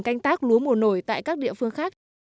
canh tác lúa mùa nổi tại các địa phương khác